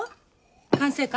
管制官？